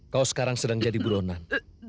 kau sekarang sedang jadi buronan